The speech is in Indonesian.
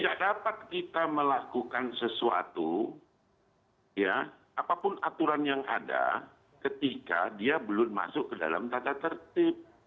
tidak dapat kita melakukan sesuatu ya apapun aturan yang ada ketika dia belum masuk ke dalam tata tertib